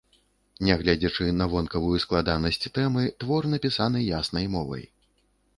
Нягледзячы на вонкавую складанасць тэмы, твор напісаны яснай мовай.